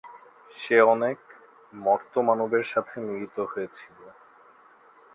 সে অনেক মর্ত্য-মানবের সাথে মিলিত হয়েছিল।